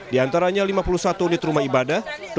di antaranya lima puluh satu unit rumah ibadah